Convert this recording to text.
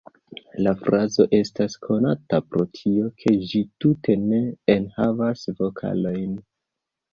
La frazo estas konata pro tio, ke ĝi tute ne enhavas vokalojn.